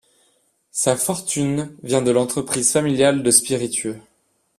Sa fortune vient de l'entreprise familiale de spiritueux.